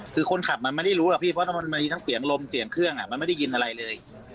คือคนขับมันไม่ได้รู้หรอกพี่เพราะมันมีทั้งเสียงลมเสียงเครื่องมันไม่ได้ยินอะไรเลย